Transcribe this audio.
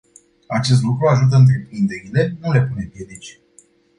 Acest lucru ajută întreprinderile, nu le pune piedici.